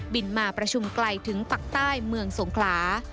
มาประชุมไกลถึงปักใต้เมืองสงขลา